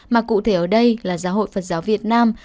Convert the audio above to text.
mà cụ thể ở đây là giáo hội phật giáo việt nam